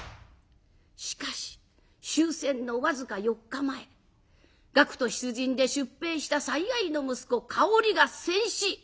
しかし終戦の僅か４日前学徒出陣で出兵した最愛の息子香織が戦死。